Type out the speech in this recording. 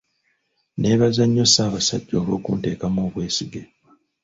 Nneebaza nnyo Ssaabasajja olw'okunteekamu obwesige.